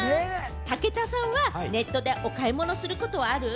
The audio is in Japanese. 武田さんはネットでお買い物することはある？